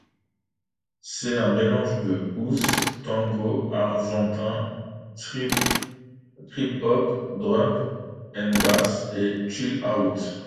C'est un mélange de house, tango argentin, trip-hop, drum and bass et chill-out.